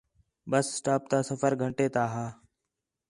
بس سٹاپ تا سفر گھنٹے تا ہا